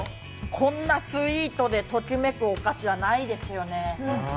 こんなにスイートでときめくお菓子はないですよね。